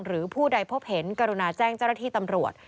หรือผู้ใดพบเห็นกรุณาแจ้งเจ้าหน้าที่ตำรวจ